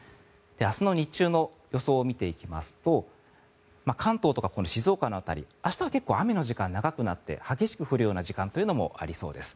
明日の日中の予想を見ていきますと関東とか静岡の辺り明日は結構雨の時間が長くなって激しく降るような時間というのもありそうです。